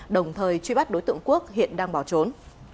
đồng thời truy bắt đối tượng quốc hiện đang bỏ trốn